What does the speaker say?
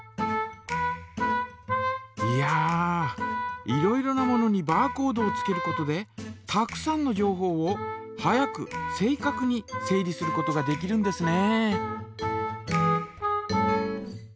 いやいろいろなものにバーコードをつけることでたくさんの情報を早く正かくに整理することができるんですね。